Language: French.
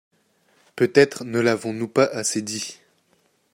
Peut-être ne l’avons-nous pas assez dit.